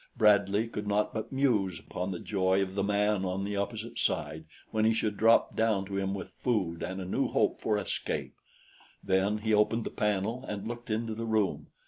Bradley could not but muse upon the joy of the man on the opposite side when he should drop down to him with food and a new hope for escape. Then he opened the panel and looked into the room.